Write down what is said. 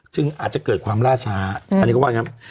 ซึ่งอาจจะเกิดความล่าชาอันนี้ก็ว่านะครับ